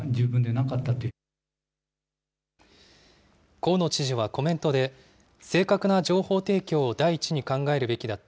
河野知事はコメントで、正確な情報提供を第一に考えるべきだった。